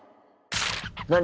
何？